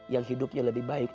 yang hidupnya lebih baik